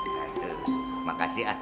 terima kasih ad